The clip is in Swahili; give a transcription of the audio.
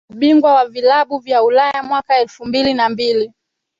Ubingwa wa vilabu vya Ulaya mwaka elfu mbili na mbili